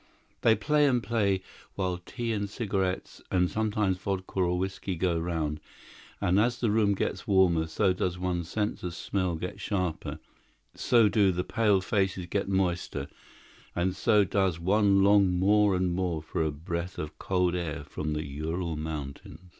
They play and play, while tea and cigarettes, and sometimes vodka or whisky, go round; and as the room gets warmer, so does one's sense of smell get sharper; so do the pale faces get moister; and so does one long more and more for a breath of cold air from the Ural Mountains.